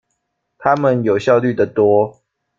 他們有效率的多